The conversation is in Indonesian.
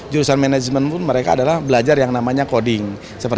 jurusan manajemen pun mereka adalah belajar yang namanya coding